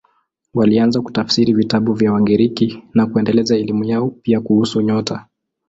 Walianza kutafsiri vitabu vya Wagiriki na kuendeleza elimu yao, pia kuhusu nyota.